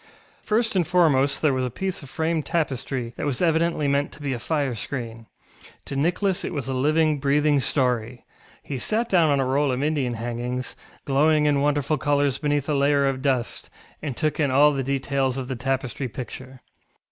First and foremost there was a piece of framed tapestry that was evidently meant to be a fire screen. To Nicholas it was a living, breathing story; he sat down on a roll of Indian hangings, glowing in wonderful colours beneath a layer of dust, and took in all the details of the tapestry picture.